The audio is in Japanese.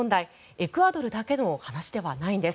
エクアドルだけの話ではないんです。